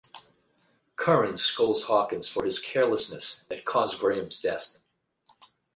Curran scolds Hawkins for his carelessness that caused Graham's death.